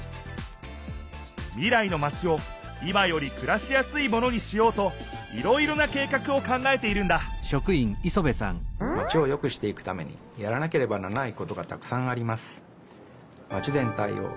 未来のマチを今よりくらしやすいものにしようといろいろな計画を考えているんだマチをよくしていくためにやらなければならないことがたくさんあります。